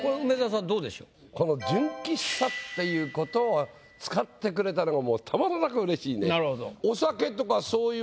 この純喫茶っていうことを使ってくれたのがもうたまらなくうれしいね。